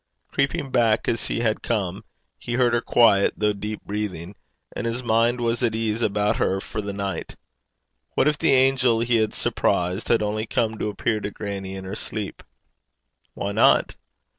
Creeping back as he had come, he heard her quiet, though deep, breathing, and his mind was at ease about her for the night. What if the angel he had surprised had only come to appear to grannie in her sleep? Why not?